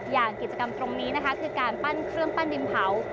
อย่างกิจกรรมตรงนี้นะคะคือการปั้นเครื่องปั้นดินเผา